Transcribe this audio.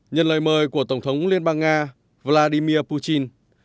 nhận lời mời của tổng thống liên bang nga vladimir putin